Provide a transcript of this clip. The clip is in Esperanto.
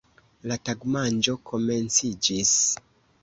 La tagmanĝo komenciĝis.